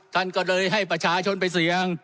ท่านก็เลยให้ประชาชนไปเสี่ยง